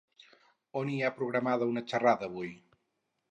On hi ha programada una xerrada avui?